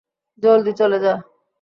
জলদি চলে যা।